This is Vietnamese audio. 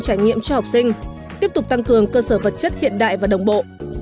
trải nghiệm cho học sinh tiếp tục tăng cường cơ sở vật chất hiện đại và đồng bộ